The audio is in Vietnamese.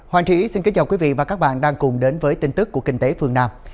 hoàng trí xin kính chào quý vị và các bạn đang cùng đến với tin tức của kinh tế phương nam